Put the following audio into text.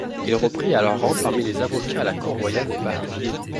Il reprit alors rang parmi les avocats à la cour royale de Paris.